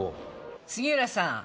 杉浦さん